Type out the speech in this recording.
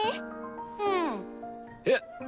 うん。えっ？